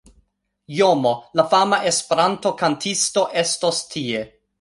JoMo la fama Esperanto-kantisto estos tie